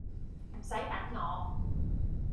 唔洗等我